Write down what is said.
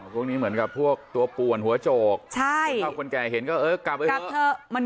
พวกนี้เหมือนกับพวกตัวป่วนหัวโจกคนเท่าคนแก่เห็นก็เออกลับไปเถอะ